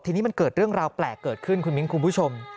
ทีนี้มันเกิดเรื่องราวแปลกเกิดขึ้นคุณมิ้นคุณผู้ชม